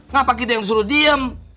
ngapakin itu yang disuruh diem